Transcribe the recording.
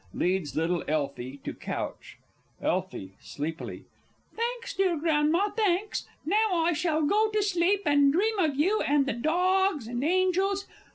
[Leads little ELFIE to couch. Elfie (sleepily). Thanks, dear Grandma, thanks.... Now I shall go to sleep, and dream of you, and the dogs, and angels.